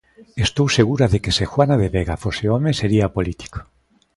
Estou segura de que se Juana de Vega fose home sería político.